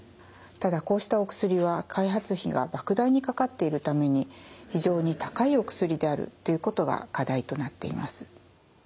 ただこうしたお薬は開発費がばく大にかかっているために非常に高いお薬であるということが課題となっています。